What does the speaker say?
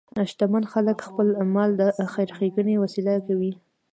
شتمن خلک خپل مال د خیر ښیګڼې وسیله کوي.